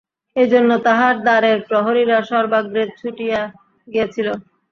এইজন্য তাঁহার দ্বারের প্রহরীরা সর্বাগ্রে ছুটিয়া গিয়াছিল।